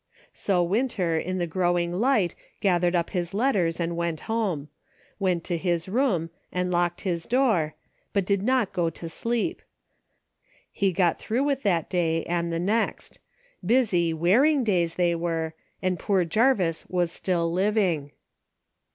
So Winter in the growing light gathered up his letters and went home ; went to his room and locked his door, but did not go to sleep. He got through with that day, and the next ; busy, wearing days they were, and poor Jarvis was still living.